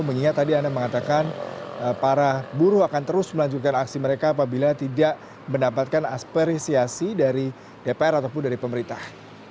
mengingat tadi anda mengatakan para buruh akan terus melanjutkan aksi mereka apabila tidak mendapatkan apresiasi dari dpr ataupun dari pemerintah